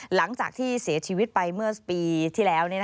หลังจากที่เสียชีวิตไปเมื่อปีที่แล้ว